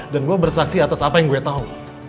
dan gue bersaksi atas apa yang gue tau